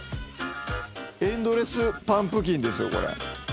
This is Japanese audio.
エンドレスパンプキンですよこれ。